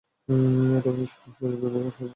এটাই ভবিষ্যতে অস্ত্রের দুনিয়ায় রাজ করবে!